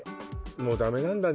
もうダメなんだね